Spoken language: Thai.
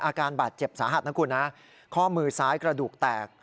อาการบาดเจ็บสาหัสนะคุณนะข้อมือซ้ายกระดูกแตก